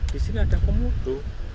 di sini ada komodo